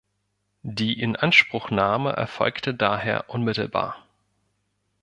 Die Inanspruchnahme erfolgte daher unmittelbar.